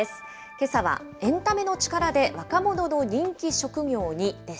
けさは、エンタメの力で若者の人気職業に！です。